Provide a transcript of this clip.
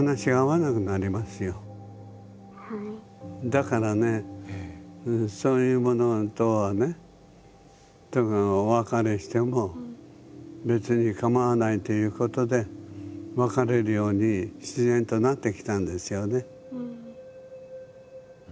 だからねそういうものとはねお別れしても別にかまわないということで別れるように自然となってきたんですよね。